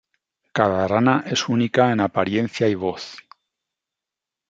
Cada rana es única en apariencia y voz.